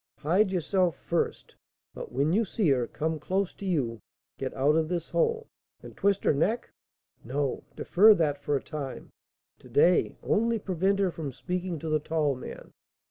Hide yourself first; but, when you see her come close to you, get out of this hole " "And twist her neck?" "No, defer that for a time. To day, only prevent her from speaking to the tall man.